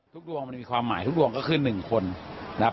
ทุกดวงมันมีความหมายทุกดวงก็คืนหนึ่งคนนะครับ